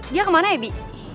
dia kemana ya bi